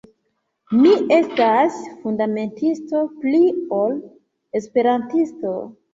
Mi estas fundamentisto, pli ol Esperantisto.